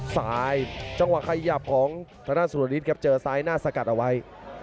ซ้ายจังหวะขยับของธนาคมสุรริตรครับเจอซ้ายหน้าสกัดเอาไว้